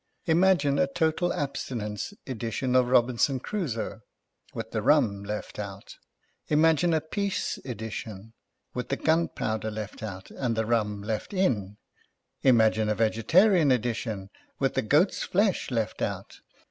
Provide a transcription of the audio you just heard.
Imagine a Total abstinence edition of Robinson Crusoe, with the rum left out Imagine a Peace edition, with the 98 HOUSEHOLD WORDS. [Condacted by gunpowder left out, and the rum left in. Ima gine a Vegetarian edition, with the goat's flesh left out.